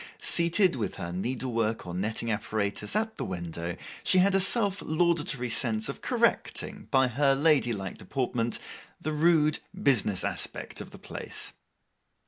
Seated, with her needlework or netting apparatus, at the window, she had a self laudatory sense of correcting, by her ladylike deportment, the rude business aspect of the place.